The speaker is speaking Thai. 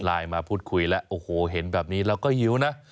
มาพูดคุยแล้วโอ้โหเห็นแบบนี้แล้วก็หิวนะ